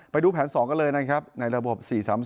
ไปดูแผน๒กันเลยนะครับในระบบ๔๓๒